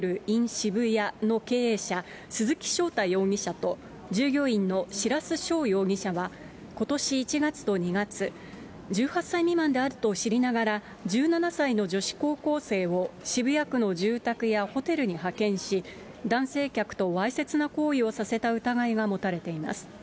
渋谷の経営者、鈴木翔太容疑者と、従業員の白須翔容疑者は、ことし１月と２月、１８歳未満であると知りながら、１７歳の女子高校生を渋谷区の住宅やホテルに派遣し、男性客とわいせつな行為をさせた疑いが持たれています。